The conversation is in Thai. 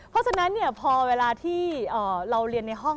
เพราะฉะนั้นพอเวลาที่เราเรียนในห้อง